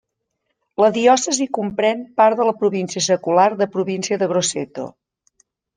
La diòcesi comprèn part de la província secular de província de Grosseto.